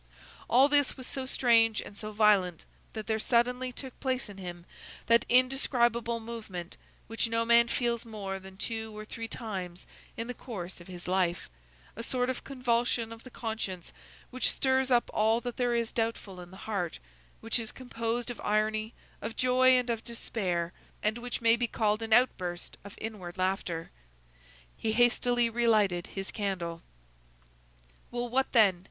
All this was so strange and so violent, that there suddenly took place in him that indescribable movement, which no man feels more than two or three times in the course of his life, a sort of convulsion of the conscience which stirs up all that there is doubtful in the heart, which is composed of irony, of joy, and of despair, and which may be called an outburst of inward laughter. He hastily relighted his candle. "Well, what then?"